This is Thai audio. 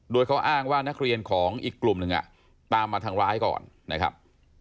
โดยเขาอ้างว่านักเรียนของอีกกลุ่มหนึ่งตามมาทำร้ายก่อนนะครับ